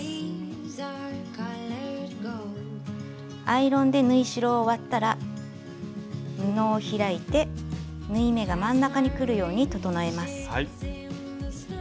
アイロンで縫い代を割ったら布を開いて縫い目が真ん中にくるように整えます。